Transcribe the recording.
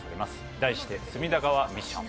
題して、隅田川ミッション。